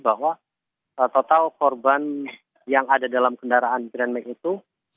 bahwa total korban yang ada dalam kendaraan grand make itu